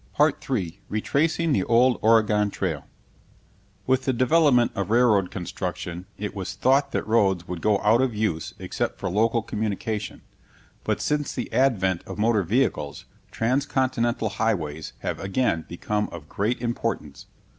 PART THREE RETRACING THE OLD OREGON TRAIL [Illustration: With the development of railroad construction it was thought that roads would go out of use except for local communication. But since the advent of motor vehicles, transcontinental highways have again become of great importance.